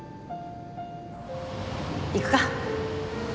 行くか。